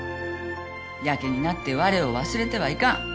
やけになってわれを忘れてはいかん。